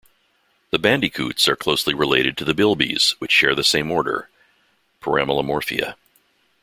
The bandicoots are closely related to the bilbies, which share the same order, Peramelemorphia.